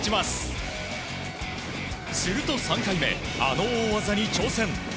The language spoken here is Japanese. すると、３回目あの大技に挑戦。